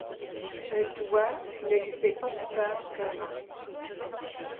Un toit ne lui fait pas plus peur qu’un mât.